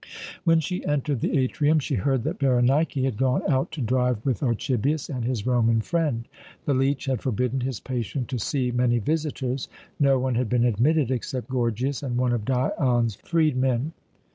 When she entered the atrium she heard that Berenike had gone out to drive with Archibius and his Roman friend. The leech had forbidden his patient to see many visitors. No one had been admitted except Gorgias and one of Dion's freedmen.